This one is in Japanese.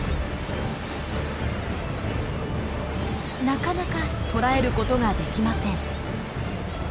なかなか捕らえることができません。